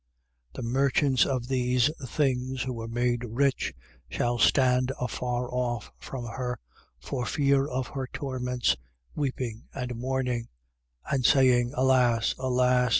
18:15. The merchants of these things, who were made rich, shall stand afar off from her, for fear of her torments, weeping and mourning, 18:16. And saying: Alas! alas!